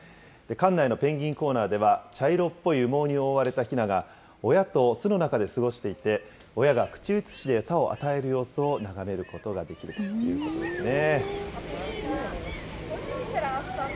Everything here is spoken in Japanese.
館内のペンギンコーナーでは、茶色っぽい羽毛に覆われたひなが、親と巣の中で過ごしていて、親が口移しで餌を与える様子を眺めることができるということですね。